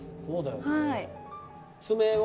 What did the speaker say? そうだよね。